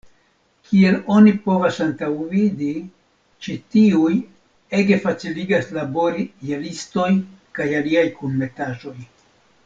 Kiel oni povas antaŭvidi, ĉi tiuj ege faciligas labori je listoj kaj aliaj kunmetaĵoj.